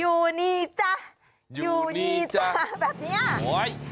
อยู่ดีจ้ะอยู่ดีจ้ะแบบเนี้ยโอ้ย